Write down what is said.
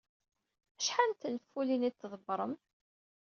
Acḥal n tenfulin ay d-tḍebbrem?